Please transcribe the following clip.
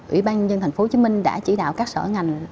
ủy ban nhân dân tp hcm đã chỉ đạo các sở ngành